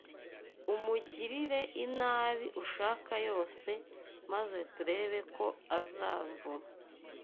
Umugirire inabi ushaka yose maze turebe ko azamvuma